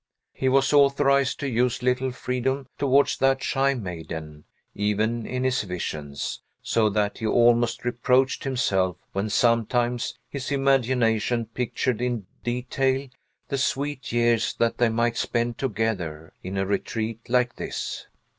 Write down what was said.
He was authorized to use little freedom towards that shy maiden, even in his visions; so that he almost reproached himself when sometimes his imagination pictured in detail the sweet years that they might spend together, in a retreat like this.